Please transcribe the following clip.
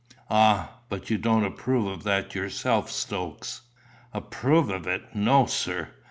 "Ah; but you don't approve of that yourself, Stokes?" "Approve of it? No, sir.